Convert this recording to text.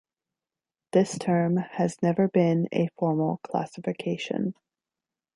This term has never been a formal classification.